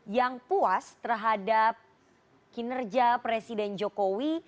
yang puas terhadap kinerja presiden jokowi